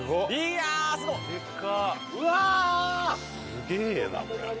すげえなこれ。